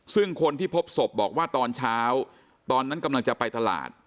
ซึ่งคนที่พบศพบอกว่าตอนเช้าตอนนั้นกำลังจะไปตลาด